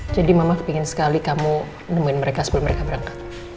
mama kepingin sekali kamu nemuin mereka sebelum mereka berangkat